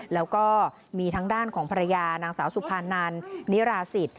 แล้วก็มีทางด้านของภรรยานางสาวสุภานันนิราศิษฐ